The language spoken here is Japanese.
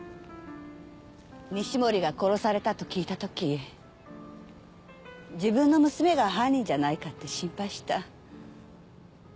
西森が殺されたと聞いたとき自分の娘が犯人じゃないかって心配した。